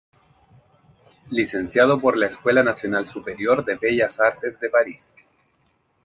Licenciado por la Escuela Nacional Superior de Bellas Artes de Paris.